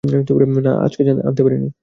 না, আজকে আনতে পারিনি।